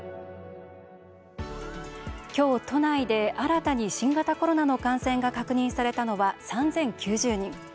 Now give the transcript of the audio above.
今日、都内で新たに新型コロナの感染が確認されたのは、３０９０人。